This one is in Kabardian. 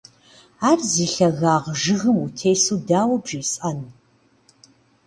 Ар зи лъэгагъ жыгым утесу дауэ бжесӀэн?